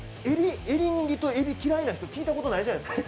エリンギとエビが嫌いな人、聞いたことないじゃないですか。